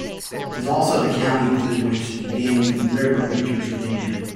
It is also the county through which the Danube River enters Romania.